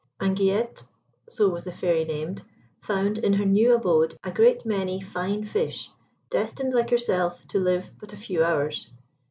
Anguillette (so was the Fairy named) found in her new abode a great many fine fish destined, like herself, to live but a few hours.